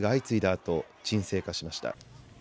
あと沈静化しました。